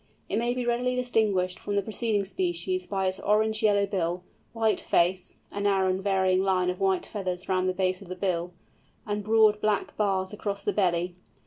It may be readily distinguished from the preceding species by its orange yellow bill, white face (a narrow and varying line of white feathers round the base of the bill), and broad black bars across the belly.